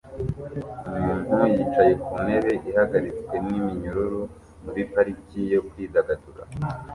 Umuntu yicaye ku ntebe ihagaritswe n'iminyururu muri parike yo kwidagadura